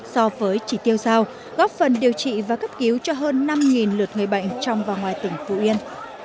so với chỉ tiêu giao góp phần điều trị và cấp cứu cho hơn năm lượt người bệnh trong và ngoài tỉnh phú yên